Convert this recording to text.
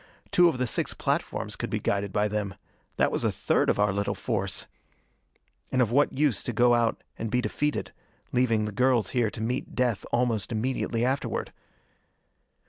Two of the six platforms could be guided by them. That was a third of our little force! And of what use to go out and be defeated, leaving the girls here to meet death almost immediately afterward?